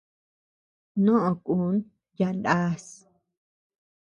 Noʼö kun yaʼa naas.